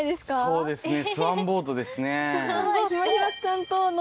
そうですね。